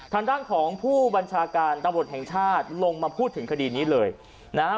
ทางด้านของผู้บัญชาการตำรวจแห่งชาติลงมาพูดถึงคดีนี้เลยนะฮะ